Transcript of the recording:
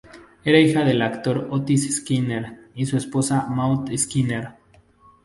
Era hija del actor Otis Skinner y su esposa Maud Skinner.